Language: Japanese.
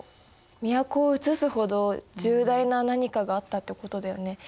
都をうつすほど重大な何かがあったってことだよね。